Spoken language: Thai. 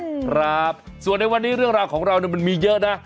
ครับส่วนในวันนี้เรื่องราวของเราเนี่ยมันมีเยอะนะ